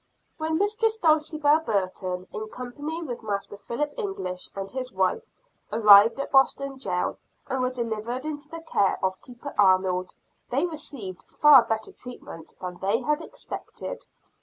When Mistress Dulcibel Burton, in company with Master Philip English and his wife, arrived at Boston jail, and were delivered into the care of Keeper Arnold, they received far better treatment than they had expected.